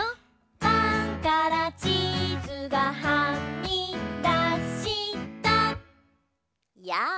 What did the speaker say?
「パンからチーズがはみだしたやあ」